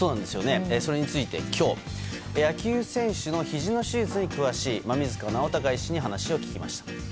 それについて今日野球選手のひじの手術に詳しい馬見塚尚孝医師に話を聞きました。